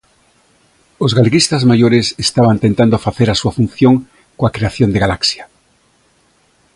Os galeguistas maiores estaban tentando facer a súa función, coa creación de Galaxia.